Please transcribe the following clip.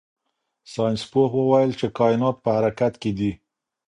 ساینس پوه وویل چې کائنات په حرکت کې دي.